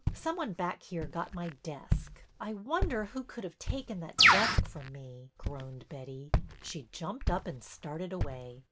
Someone back here got my desk. I wonder who could have taken that desk from me ?" groaned Betty. She jumped up and started away.